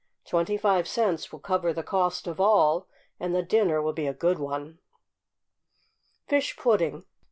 Twenty five cents will cover the cost of all, and the dinner will be a good one. =Fish Pudding.